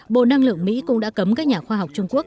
bộ năng lượng mỹ cũng đã cấm các nhà khoa học trung quốc